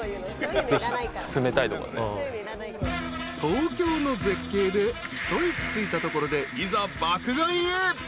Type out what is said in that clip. ［東京の絶景で一息ついたところでいざ爆買いへ］